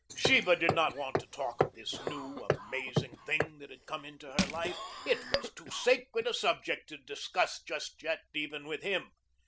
Sheba did not want to talk of this new, amazing thing that had come into her life. It was too sacred a subject to discuss just yet even with him.